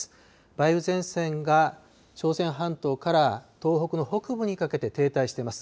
梅雨前線が朝鮮半島から東北の北部にかけて停滞しています。